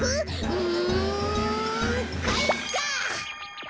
うんかいか！